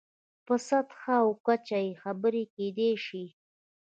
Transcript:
په سطحه او کچه یې خبرې کېدای شي.